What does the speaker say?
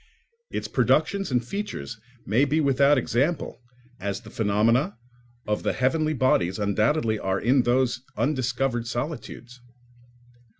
Its productions and features may be without example, as the phenomena of the heavenly bodies undoubtedly are in those undiscovered solitudes.